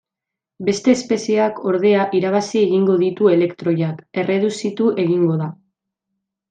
Beste espezieak, ordea, irabazi egingo ditu elektroiak: erreduzitu egingo da.